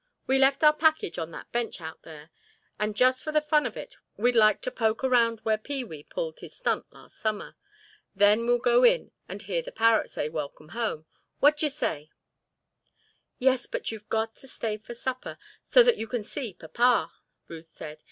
We left our package on that bench out there; and just for the fun of it we'd like to poke around where Pee wee pulled his stunt last summer. Then well go in and hear the parrot say 'Welcome home'—what d'ye say?" "Yes, but you've got to stay to supper, so that you can see papa," Ruth said.